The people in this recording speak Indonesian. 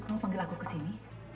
kamu panggil aku ke sini